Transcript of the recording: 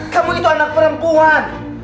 kamu itu anak perempuan